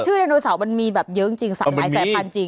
ไดโนเสาร์มันมีแบบเยอะจริงหลายสายพันธุ์จริง